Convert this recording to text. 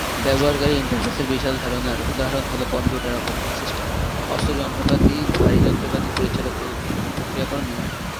ব্যবহারকারী ইন্টারফেসের বিশাল ধারনার উদাহরণ হল কম্পিউটার অপারেটিং সিস্টেম, হস্ত যন্ত্রপাতি, ভারী যন্ত্রপাতি পরিচালক নিয়ন্ত্রণ এবং প্রক্রিয়াকরণ নিয়ন্ত্রণ।